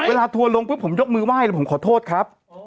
เวลาทัวร์ลงผมยกมือไหว้ผมขอโทษครับ